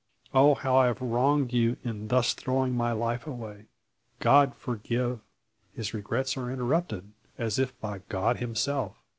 Oh, how I have wronged you in thus throwing my life away! God forgive " His regrets are interrupted, as if by God Himself.